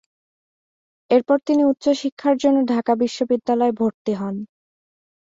এরপর তিনি উচ্চ শিক্ষার জন্য ঢাকা বিশ্ববিদ্যালয়ে ভর্তি হন।